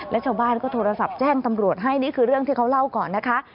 และชาวบ้านก็โทรศัพท์แจ้งตำรวจให้นี่คือเรื่องที่เขาเล่าก่อนนะคะ